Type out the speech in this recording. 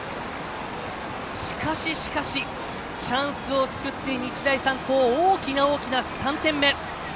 しかし、しかしチャンスを作って日大三高大きな大きな３点目。